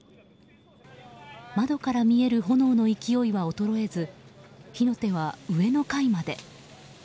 窓から見える炎の勢いは衰えず火の手は上の階まで。